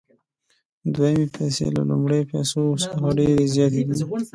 دویمې پیسې له لومړیو پیسو څخه ډېرې زیاتې دي